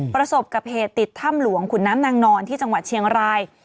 ประสบกับเหตุติดถ้ำหลวงขุนน้ำนางนอนที่จังหวัดเชียงราย